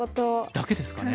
だけですかね？